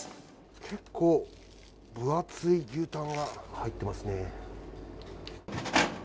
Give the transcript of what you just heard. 結構、分厚い牛たんが入っていますね。